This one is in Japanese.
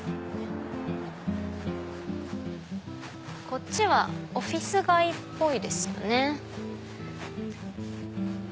こっちはオフィス街っぽいですよね。